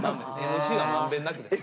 ＭＣは満遍なくですね。